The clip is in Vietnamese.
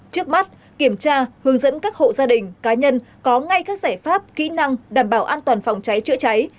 trước mắt kiểm tra hướng dẫn các hộ gia đình cá nhân có ngay các giải pháp kỹ năng đảm bảo an toàn phòng cháy chữa cháy